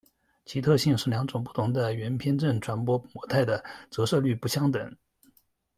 其特性是两种不同的圆偏振传播模态的折射率不相等。